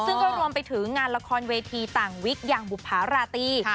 ซึ่งก็รวมไปถึงงานละครเวทีต่างวิกอย่างบุภาราตี